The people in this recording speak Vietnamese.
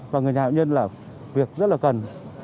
và người nhà bệnh nhân là việc rất là cần